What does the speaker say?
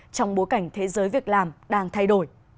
trong bối cảnh thế giới việc làm đang thay đổi